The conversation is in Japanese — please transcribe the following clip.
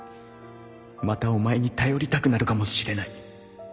またお前に頼りたくなるかもしれない。